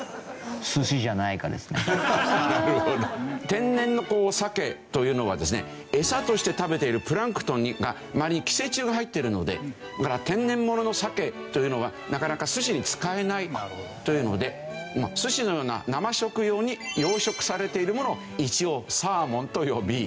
天然の鮭というのはですねエサとして食べているプランクトンがまれに寄生虫が入っているので天然物の鮭というのはなかなか寿司に使えないというので寿司のような生食用に養殖されているものを一応サーモンと呼び。